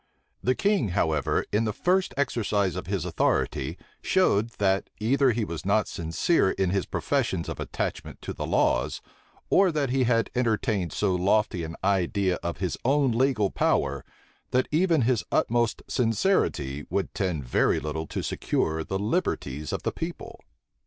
The king, however, in the first exercise of his authority, showed, that either he was not sincere in his professions of attachment to the laws, or that he had entertained so lofty an idea of his own legal power, that even his utmost sincerity would tend very little to secure the liberties of the people.